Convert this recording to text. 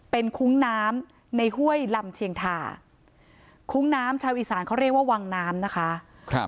เป็นคุ้งน้ำในห้วยลำเชียงทาคุ้งน้ำชาวอีสานเขาเรียกว่าวังน้ำนะคะครับ